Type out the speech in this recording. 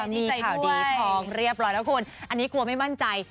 มีข่าวดีทองเรียบร้อยแล้วคุณอันนี้กลัวไม่มั่นใจ